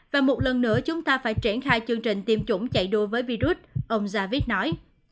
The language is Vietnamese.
và một lần nữa chúng ta phải triển khai chương trình tiêm chủng chạy đua với virus ông zarvis nói